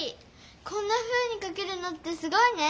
こんなふうにかけるなんてすごいね！